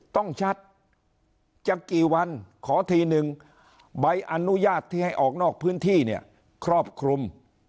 ต้องชัดจะกี่วันขอทีนึงใบอนุญาตที่ให้ออกนอกพื้นที่เนี่ยครอบคลุม